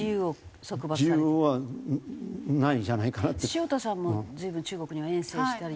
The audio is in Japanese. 潮田さんも随分中国には遠征したり。